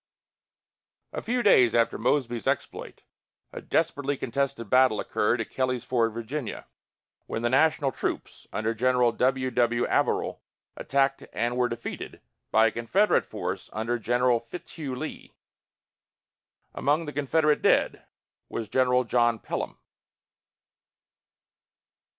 A few days after Mosby's exploit, a desperately contested battle occurred at Kelly's Ford, Va., when the National troops under General W. W. Averill attacked and were defeated by a Confederate force under General Fitzhugh Lee. Among the Confederate dead was General John Pelham.